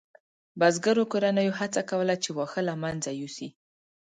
بزګرو کورنیو هڅه کوله چې واښه له منځه یوسي.